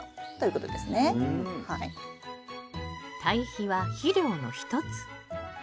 堆肥は肥料の一つ。